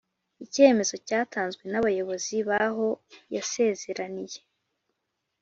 icyemezo cyatanzwe n’abayobozi b’aho yasezeraniye